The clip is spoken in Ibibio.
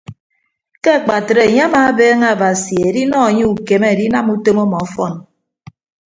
Ke akpatre enye amaabeeñe abasi edinọ anye ukeme adinam utom ọmọ ọfọn.